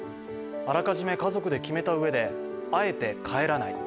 あらかじめ家族で決めたうえであえて帰らない